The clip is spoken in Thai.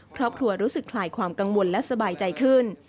ครอบครัวรู้สึกคลายความกังวลและสบายใจขึ้น